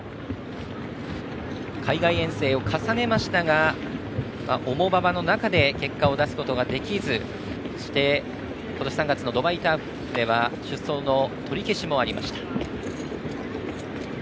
海外遠征を重ねましたが重馬場の中で結果を出すことができずそして、今年３月のドバイターフでは出走の取り消しもありました。